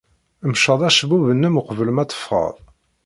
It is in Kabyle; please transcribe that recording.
Mceḍ acebbub-nnem uqbel ma teffɣed.